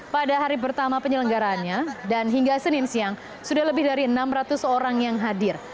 pada hari pertama penyelenggaraannya dan hingga senin siang sudah lebih dari enam ratus orang yang hadir